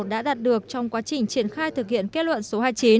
đã đạt được trong quá trình triển khai thực hiện kết luận số hai mươi chín